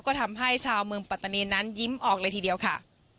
ก็ทำให้ชาวเมืองปัตตานีนั้นยิ้มออกเลยทีเดียวค่ะ